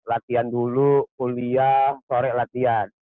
latihan dulu kuliah sore latihan